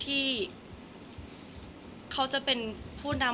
แต่ขวัญไม่สามารถสวมเขาให้แม่ขวัญได้